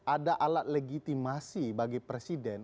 ada alat legitimasi bagi presiden